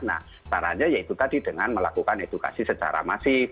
nah caranya yaitu tadi dengan melakukan edukasi secara masif